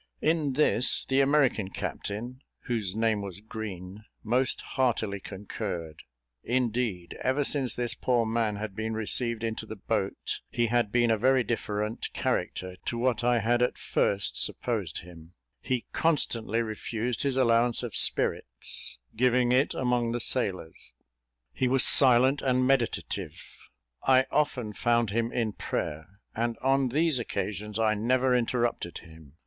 In this, the American captain, whose name was Green, most heartily concurred. Indeed, ever since this poor man had been received into the boat, he had been a very different character to what I had at first supposed him; he constantly refused his allowance of spirits, giving it among the sailors; he was silent and meditative; I often found him in prayer, and on these occasions I never interrupted him.